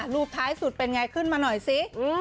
ท้ายสุดเป็นไงขึ้นมาหน่อยสิ